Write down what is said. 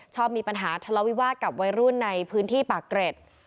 ชอบมีปัญหาทะเลาวิวาสกับวัยรุ่นในพื้นที่ปากเกร็ด